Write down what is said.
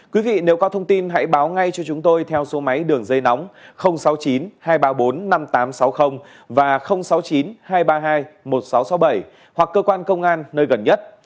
quý vị nếu có thông tin hãy báo ngay cho chúng tôi theo số máy đường dây nóng sáu mươi chín hai trăm ba mươi bốn năm nghìn tám trăm sáu mươi và sáu mươi chín hai trăm ba mươi hai một nghìn sáu trăm sáu mươi bảy hoặc cơ quan công an nơi gần nhất